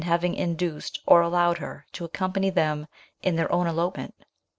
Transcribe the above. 97 having induced or allowed her to accompany them in their own elopement.